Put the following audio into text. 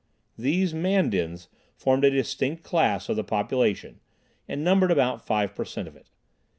These Man Dins formed a distinct class of the population, and numbered about five percent of it.